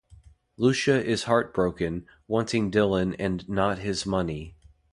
Lucia is heartbroken, wanting Dillon and not his money.